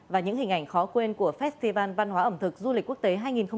và những hình ảnh khó quên của festival văn hóa ẩm thực du lịch quốc tế hai nghìn một mươi chín